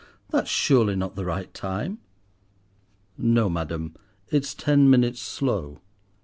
that's surely not the right time?" "No, madam, it's ten minutes slow.